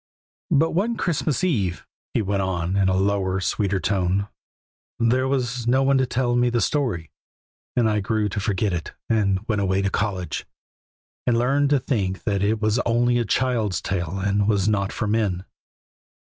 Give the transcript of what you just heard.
"But one Christmas eve," he went on in a lower, sweeter tone, "there was no one to tell me the story, and I grew to forget it and went away to college, and learned to think that it was only a child's tale and was not for men.